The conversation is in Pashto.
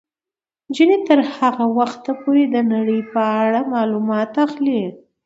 نجونې به تر هغه وخته پورې د نړۍ په اړه معلومات اخلي.